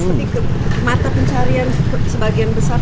tapi ke mata pencarian sebagian besar